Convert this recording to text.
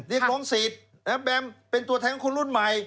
เรียกล้องสิทธิ์เป็นตัวแท้ของคนรุ่นใหม่